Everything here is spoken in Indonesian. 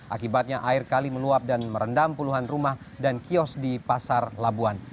akibatnya air kali meluap dan merendam puluhan rumah dan kios di pasar labuan